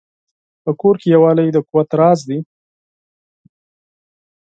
په کور کې یووالی د قوت راز دی.